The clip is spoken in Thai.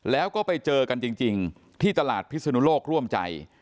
แล้วก็ไปเจอกันจริงที่ตลาดพิศนุโลกร่วมใจ